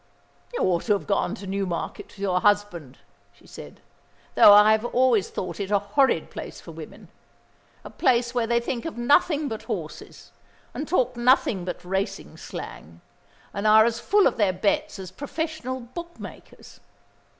"You ought to have gone to Newmarket with your husband," she said, "though I have always thought it a horrid place for women, a place where they think of nothing but horses, and talk nothing but racing slang, and are as full of their bets as professional book makers.